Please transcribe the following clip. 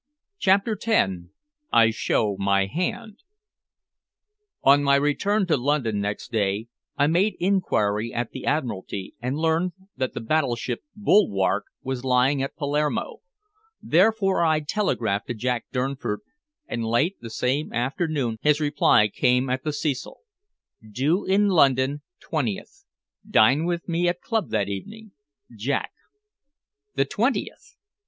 CHAPTER X I SHOW MY HAND On my return to London next day I made inquiry at the Admiralty and learned that the battleship Bulwark was lying at Palermo, therefore I telegraphed to Jack Durnford, and late the same afternoon his reply came at the Cecil: "Due in London twentieth. Dine with me at club that evening Jack." The twentieth!